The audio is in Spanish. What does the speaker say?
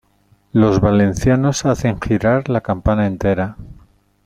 Los valencianos hacen girar la campana entera.